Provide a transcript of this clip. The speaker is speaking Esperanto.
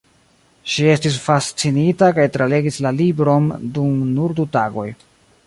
Ŝi estis fascinita kaj tralegis la libron dum nur du tagoj.